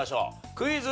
クイズ。